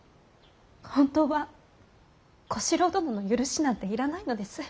本当は小四郎殿の許しなんていらないのです。